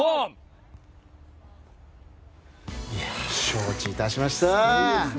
承知いたしました！